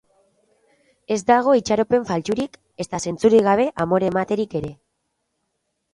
Ez dago itxaropen faltsurik ezta zentzurik gabe amore ematerik ere.